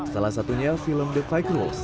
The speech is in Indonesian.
salah satunya film the five rules